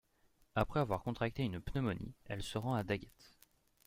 Après avoir contracté une pneumonie, elle se rend à Daggett.